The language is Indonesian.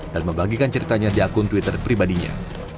dan membagikan ceritanya di akun twitter pribadinya